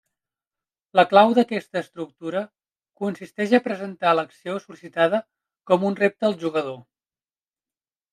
La clau d’aquesta estructura consisteix a presentar l’acció sol·licitada com un repte al jugador.